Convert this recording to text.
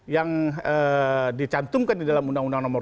yang dicantumkan di dalam undang undang nomor dua